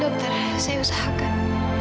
dokter saya usahakan